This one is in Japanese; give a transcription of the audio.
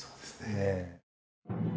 ええ。